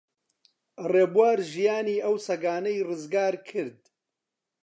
ڕێبوار ژیانی ئەو سەگانەی ڕزگار کرد.